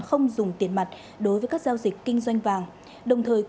không dùng tiền mặt đối với các giao dịch kinh doanh vàng